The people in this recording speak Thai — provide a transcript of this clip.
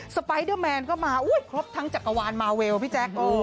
ไปเดอร์แมนก็มาครบทั้งจักรวาลมาเวลพี่แจ๊ค